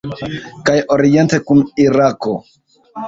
Kaj oriente kun Irako.